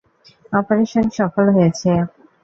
Operation সফল হয়েছে।